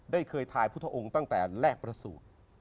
เคยทายพุทธองค์ตั้งแต่แรกประสูจน์